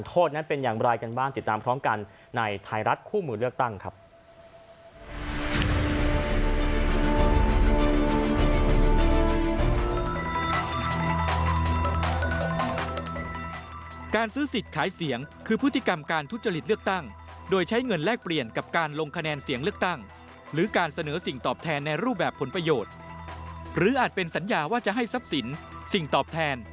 โทษนั้นเป็นอย่างไรกันบ้างติดตามพร้อมกันในไทยรัฐคู่มือเลือกตั้งครับ